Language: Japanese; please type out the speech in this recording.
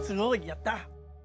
やった。